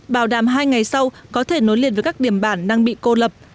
bảo đảm hai ngày sau có thể nối liền với các điểm bản đang bị cô lập